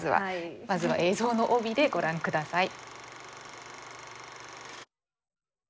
まずは映像の帯でご覧下さい。